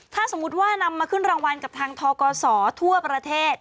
ถ้าสมมุติว่านำมาขึ้นรางวัลกับทางทกศทั่วประเทศ